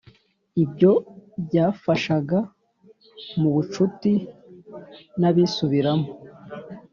ibyo byafashaga mubucuti nabisubiramo.